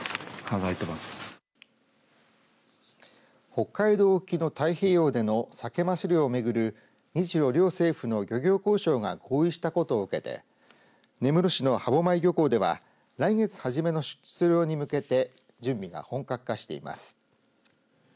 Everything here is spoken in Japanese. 北海道沖の太平洋でのサケ・マス漁をめぐる日ロ両政府の漁業交渉が合意したことを受けて根室市の歯舞漁港では来月初めの出漁に向けて準備が本格化しています。